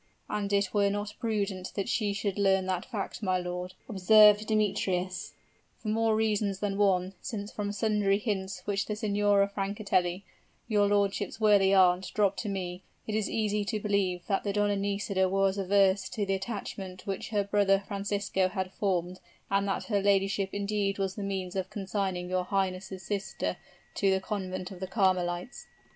"And it were not prudent that she should learn that fact, my lord!" observed Demetrius, "for more reasons than one; since from sundry hints which the Signora Francatelli, your lordship's worthy aunt, dropped to me, it is easy to believe that the Donna Nisida was averse to the attachment which her brother Francisco had formed, and that her ladyship indeed was the means of consigning your highness' sister to the convent of the Carmelites."